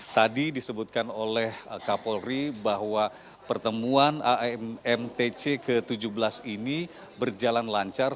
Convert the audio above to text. tadi disebutkan oleh kapolri bahwa pertemuan amtc ke tujuh belas ini berjalan lancar